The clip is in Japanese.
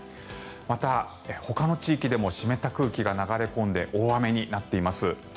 また、ほかの地域でも湿った空気が流れ込んで大雨になっています。